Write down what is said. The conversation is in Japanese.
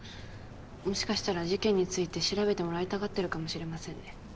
もしかしたら事件について調べてもらいたがっているかもしれませんね。